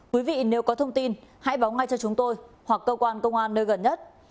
quý vị nếu có thông tin hãy báo ngay cho chúng tôi hoặc cơ quan công an nơi gần nhất